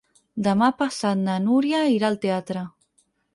Demà passat na Núria irà al teatre.